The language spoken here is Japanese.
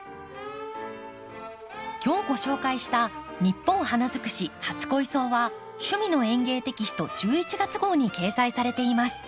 今日ご紹介した「ニッポン花づくし初恋草」は「趣味の園芸」テキスト１１月号に掲載されています。